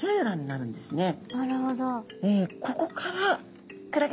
なるほど。